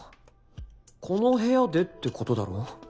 この部屋でってことだろ？